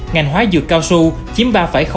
ngành hóa dược cao su chiếm ba ba